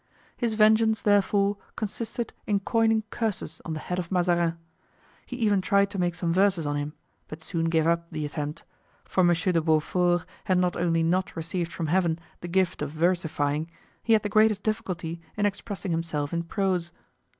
His vengeance, therefore, consisted in coining curses on the head of Mazarin; he even tried to make some verses on him, but soon gave up the attempt, for Monsieur de Beaufort had not only not received from Heaven the gift of versifying, he had the greatest difficulty in expressing himself in prose.